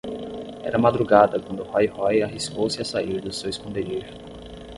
Era madrugada quando Rói-Rói arriscou-se a sair do seu esconderijo.